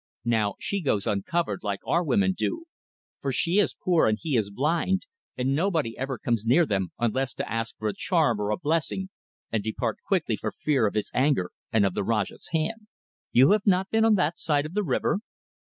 Now she goes uncovered, like our women do, for she is poor and he is blind, and nobody ever comes near them unless to ask for a charm or a blessing and depart quickly for fear of his anger and of the Rajah's hand. You have not been on that side of the river?"